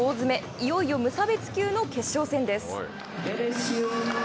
いよいよ無差別級の決勝戦です。